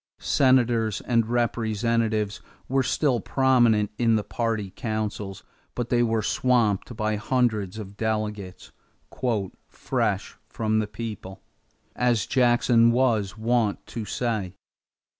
Senators and Representatives were still prominent in the party councils, but they were swamped by hundreds of delegates "fresh from the people," as Jackson was wont to say.